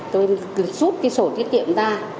tôi rút cái sổ tiết kiệm ra